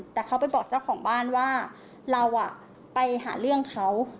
แต่เขาไปบอกเจ้าของบ้านว่าเราไปหาเรื่องเขา